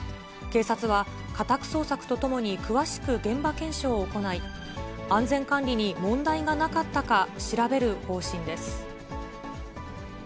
警察は、家宅捜索とともに、詳しく現場検証を行い、安全管理に問題がなかったか、調べる方針です。